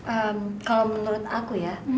eee kalau menurut aku ya